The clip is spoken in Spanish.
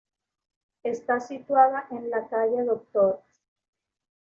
Está situada en la calle Dr.